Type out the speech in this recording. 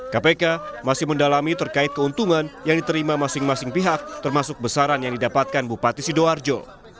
kpk masih mendalami terkait keuntungan yang diterima masing masing pihak termasuk besaran yang didapatkan bupati sidoarjo